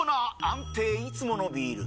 安定いつものビール！